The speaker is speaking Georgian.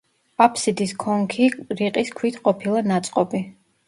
აფსიდის ქონქი რიყის ქვით ყოფილა ნაწყობი.